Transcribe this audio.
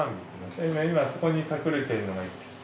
今そこに隠れているのが１匹と。